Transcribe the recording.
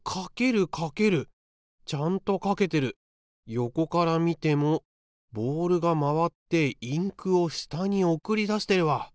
横から見てもボールが回ってインクを下に送り出してるわ。